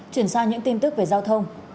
chuyển sang những tin tức về giao thông